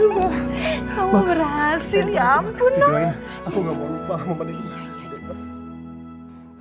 kamu berhasil ya ampun dong